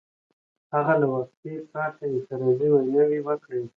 هغه له وقفې پرته اعتراضي ویناوې وکړې.